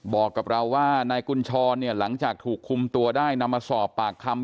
บอกกับเราว่านายกุญชรเนี่ยหลังจากถูกคุมตัวได้นำมาสอบปากคำ